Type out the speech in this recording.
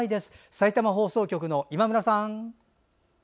さいたま放送局の今村さん。